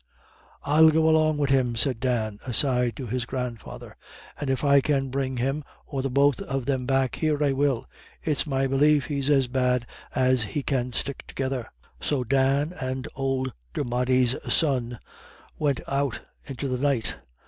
"I'll go along wid him," said Dan, aside to his grandfather, "and if I can bring him, or the both of them, back here, I will. It's my belief he's as bad as he can stick together." So Dan and old Dermody's son went out into the night.